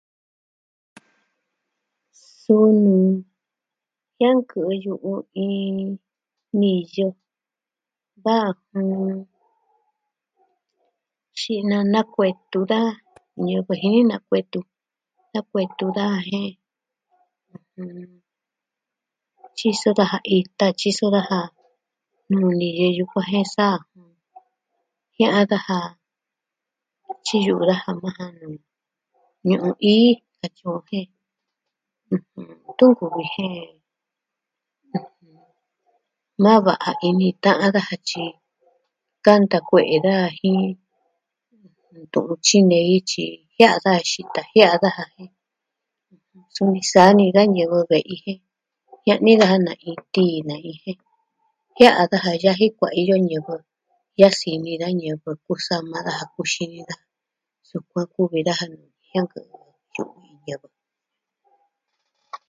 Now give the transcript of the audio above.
Suu ni, jiankɨ'ɨ yu'u iin niyɨ va, jɨn... xinana kuetu daa ñivɨ jini nakuetu. Nakuetu daa jen... ɨjɨn... tyiso daja ita, tyiso daja nuu li jen yukuan jen saa jen ɨɨn kaja, tyiyo daja maa ja nuu ñu'un ii katyi o jen... ɨjɨn... tu nkuvi jen... ɨjɨn... nava'a ini ka'an daja tyi kanta kue'e daa jin... ntu tyinei tyi jia'a da xita jia'a daja jen suni sa'a ni ka ñivɨ ve'i jen jia'ni daja na itɨ nai jen jia'a daja yaji kuaiyo ñivɨ, yasini da ñivɨ, kusama daja, kuxini daja. Sukuan kuvi daja nuu jiankɨ'ɨ yu'u iin niyɨ.